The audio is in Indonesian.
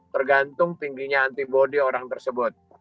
tergantung tingginya antibody orang tersebut